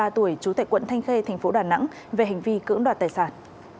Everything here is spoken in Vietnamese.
năm mươi ba tuổi chú tệ quận thanh khê tp đà nẵng về hành vi cưỡng đoạt tài sản